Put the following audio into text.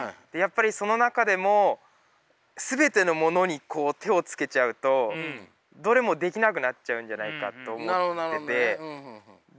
その中でも全てのものに手をつけちゃうとどれもできなくなっちゃうんじゃないかと思ってて。